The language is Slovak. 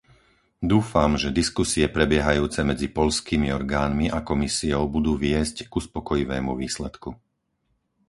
Dúfam, že diskusie prebiehajúce medzi poľskými orgánmi a Komisiou budú viesť k uspokojivému výsledku.